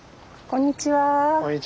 こんにちは。